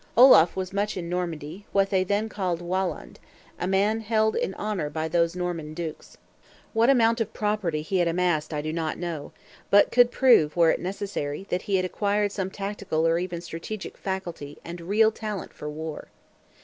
Olaf was much in Normandy, what they then called Walland; a man held in honor by those Norman Dukes. What amount of "property" he had amassed I do not know, but could prove, were it necessary, that he had acquired some tactical or even strategic faculty and real talent for war.